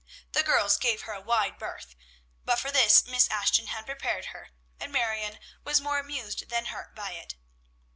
The girls gave her a wide berth, but for this Miss Ashton had prepared her, and Marion was more amused than hurt by it.